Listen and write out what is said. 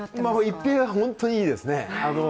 一平は本当にいいですね。